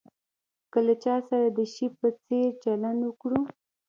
که له چا سره د شي په څېر چلند وکړو.